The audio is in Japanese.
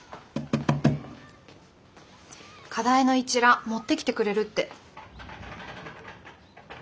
課題の一覧持ってきてくれるって。